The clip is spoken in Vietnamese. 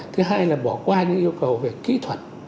thứ hai là bỏ qua những yêu cầu về kỹ thuật